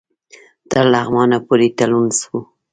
تر لغمانه پوري تلون سو